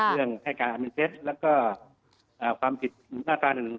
เรื่องให้การอารมิเซ็ตแล้วก็ความผิดหน้าตา๑๑๒